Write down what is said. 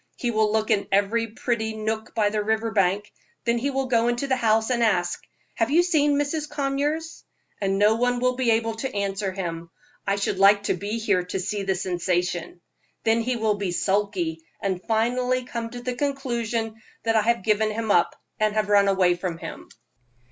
He will look in every pretty nook by the river bank, then he will go into the house and ask, 'Have you seen Mrs. Conyers?' And no one will be able to answer him. I should like to be here to see the sensation. Then he will be sulky, and finally come to the conclusion that I have given him up, and have run away from him."